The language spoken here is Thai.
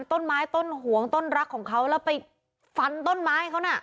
ต้นไม้ต้นหวงต้นรักของเขาแล้วไปฟันต้นไม้เขาน่ะ